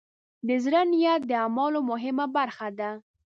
د زړۀ نیت د اعمالو مهمه برخه ده.